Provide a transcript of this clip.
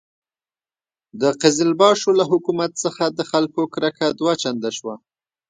د قزلباشو له حکومت څخه د خلکو کرکه دوه چنده شوه.